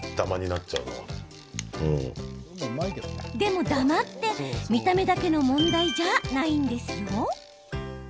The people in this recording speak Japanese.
でもダマって、見た目だけの問題じゃないんですよ。